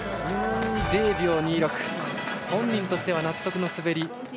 ０秒２６、本人としては納得の滑り。